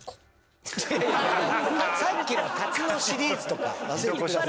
さっきの「タツノ」シリーズとか忘れて。